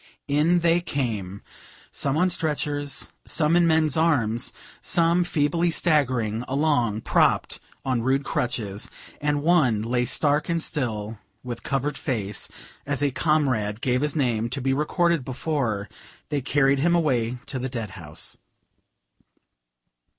In they came, some on stretchers, some in men's arms, some feebly staggering along propped on rude crutches, and one lay stark and still with covered face, as a comrade gave his name to be recorded before they carried him away to the dead house.